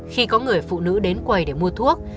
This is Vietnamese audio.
khi có người phụ nữ đến quầy để mua thuốc